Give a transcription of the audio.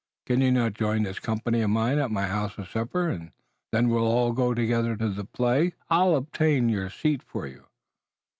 Can you not join this company of mine at my house for supper, and then we'll all go together to the play? I'll obtain your seat for you."